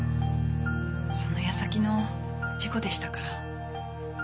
その矢先の事故でしたから。